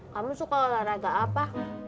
kamu suka olahraga apa